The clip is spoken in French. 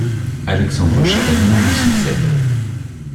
Alexandre Chabanon lui succède.